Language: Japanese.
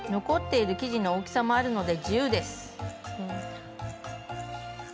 残っている生地の大きさもあるので自由です。